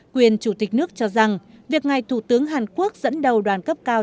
quyền chủ tịch nước cho rằng việc ngài thủ tướng hàn quốc dẫn đầu đoàn cấp cao